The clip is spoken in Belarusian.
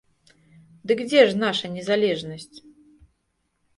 Дык дзе ж наша незалежнасць?